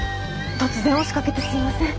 突然押しかけてすいません。